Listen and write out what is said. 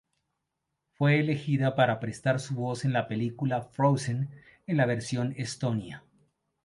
Fue elegida para prestar su voz en la película Frozen, en la versión estonia.